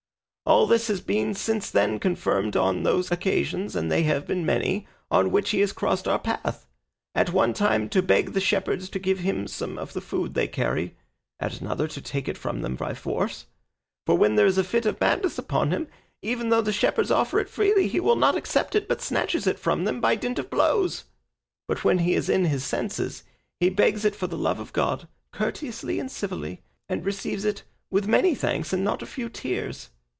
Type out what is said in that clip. All this has been since then confirmed on those occasions, and they have been many, on which he has crossed our path, at one time to beg the shepherds to give him some of the food they carry, at another to take it from them by force; for when there is a fit of madness upon him, even though the shepherds offer it freely, he will not accept it but snatches it from them by dint of blows; but when he is in his senses he begs it for the love of God, courteously and civilly, and receives it with many thanks and not a few tears.